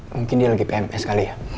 mungkin dia lagi pms kali ya